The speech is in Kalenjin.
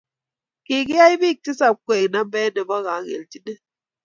Kigiyay biik tisap koeg nambet nebo kageljinet